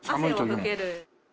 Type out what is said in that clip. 汗を拭ける。